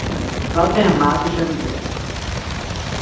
Walter Matos de Oliveira